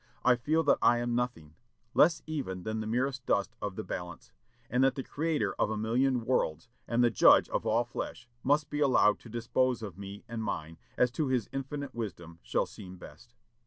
I feel that I am nothing, less even than the merest dust of the balance; and that the Creator of a million worlds, and the judge of all flesh, must be allowed to dispose of me and mine as to his infinite wisdom shall seem best."